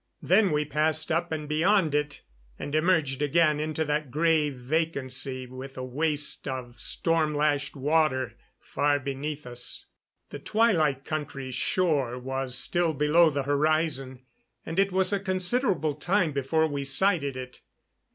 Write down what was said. Then we passed up and beyond it; and emerged again into that gray vacancy, with a waste of storm lashed water far beneath us. The Twilight Country shore was still below the horizon, and it was a considerable time before we sighted it.